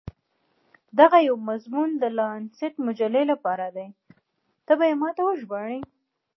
دغه یو مضمون د لانسیټ مجلې لپاره دی، ته به يې ما ته وژباړې.